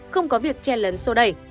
không có việc chen lấn sô đẩy